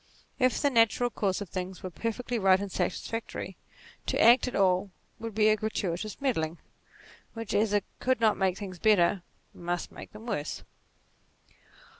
If the natural course of things were perfectly right and satisfactory, to act at all would be a gratuitous meddling, which as it could not make things better, must make them worse.